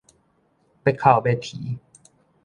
欲哭欲啼